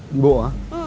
đi bộ hả